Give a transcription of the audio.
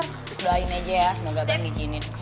dua duain aja ya semoga bang izinin